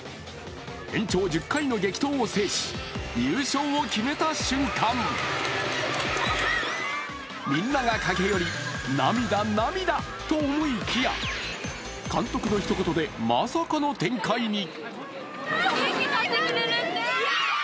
延長１０回の激闘を制し、優勝を決めた瞬間、みんなが駆け寄り、涙、涙と思いきや、監督のひと言で、まさかの展開に。